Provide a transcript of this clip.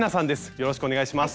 よろしくお願いします。